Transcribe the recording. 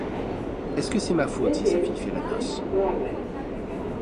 Est-ce que c'est ma faute si sa fille fait la noce !